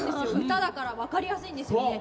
歌だから分かりやすいですよね。